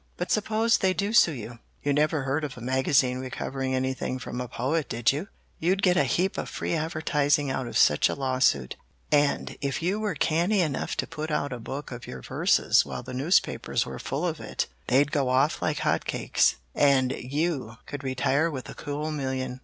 But suppose they do sue you? You never heard of a magazine recovering anything from a poet, did you? You'd get a heap of free advertising out of such a lawsuit, and if you were canny enough to put out a book of your verses while the newspapers were full of it, they'd go off like hot cakes, and you could retire with a cool million."